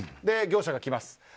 業者が来ます。